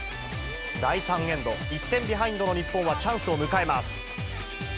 第３エンド、１点ビハインドの日本はチャンスを迎えます。